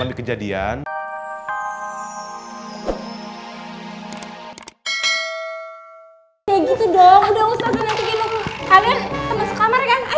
tiga dua tiga